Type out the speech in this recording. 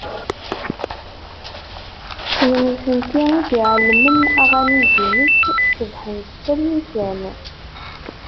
D nutenti i d-iɛellmen aɣanib-inek cebbḥent-tt almi kan.